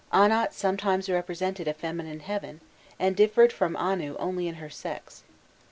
Anat sometimes represented a feminine heaven, and differed from Anu only in her sex.